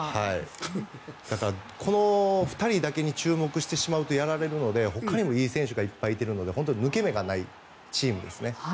ただ、この２人だけに注目してしまうとやられるのでほかにもいい選手がいっぱいいてるので抜け目がないチームですね。